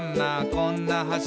こんな橋」